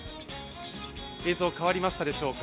映像、変わりましたでしょうか。